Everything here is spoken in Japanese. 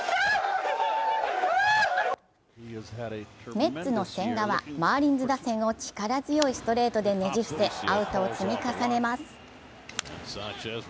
メッツの千賀はマーリンズ打線を力強いストレートでねじ伏せ、アウトを積み重ねます。